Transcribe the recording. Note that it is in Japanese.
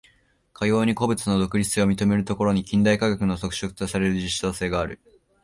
かように個物の独立性を認めるところに、近代科学の特色とされる実証性がある。